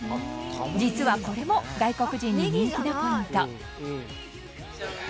実はこれも外国人に人気のポイント。